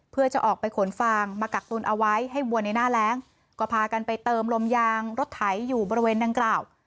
เพื่อจะออกไปขนฟางมากักตุนเอาไว้ให้วัวในหน้าแรงก็พากันไปเติมลมยางรถไถอยู่บริเวณดังกล่าว